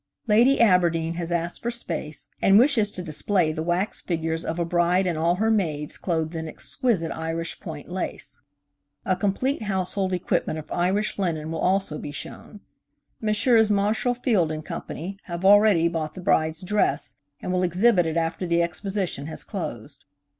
Lady Aberdeen has asked for space, and wishes to display the wax figures of a bride and all her maids clothed in exquisite Irish point lace. A complete household equipment of Irish linen will also be shown. Messrs. Marshall Field & Co. have already bought the bride's dress and will exhibit it after the Exposition has closed.